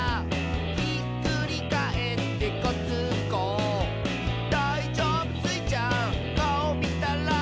「ひっくりかえってごっつんこ」「だいじょぶスイちゃん？かおみたら」